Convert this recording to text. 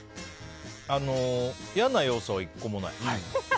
嫌な要素は１個もない。